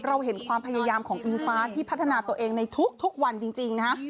เห็นความพยายามของอิงฟ้าที่พัฒนาตัวเองในทุกวันจริงนะฮะ